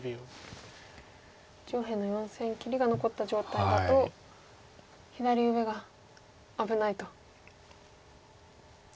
上辺の４線切りが残った状態だと左上が危ないと。